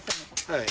はい。